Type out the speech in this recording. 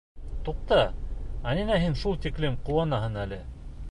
Туҡта, ә ниңә һин шул тиклем ҡыуанаһың әле?